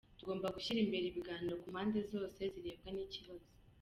Tugomba gushyira imbere ibiganiro ku mpande zose zirebwa n’ikibazo.